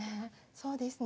そうですね。